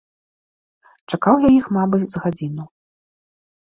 Чакаў я іх, мабыць, з гадзіну.